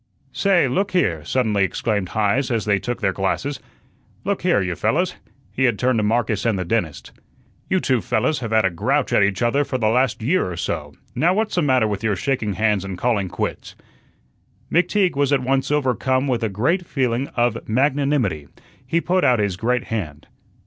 "Say, look here," suddenly exclaimed Heise as they took their glasses. "Look here, you fellahs," he had turned to Marcus and the dentist. "You two fellahs have had a grouch at each other for the last year or so; now what's the matter with your shaking hands and calling quits?" McTeague was at once overcome with a great feeling of magnanimity. He put out his great hand.